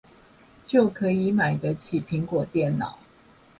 就可以買得起蘋果電腦